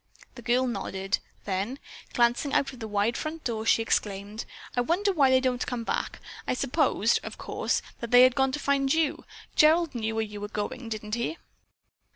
The girl nodded, then, glancing out of the wide front door, she exclaimed: "I wonder why they don't come back. I supposed, of course, that they had gone to find you. Gerald knew where you were going, didn't he?"